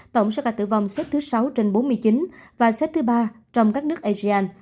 tổng số ca tử vong xếp thứ sáu trên bốn mươi chín và xếp thứ ba trong các nước asean